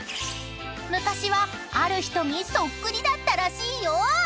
［昔はある人にそっくりだったらしいよ］